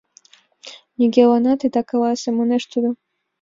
— Нигӧланат ида каласкале, — манеш тудо.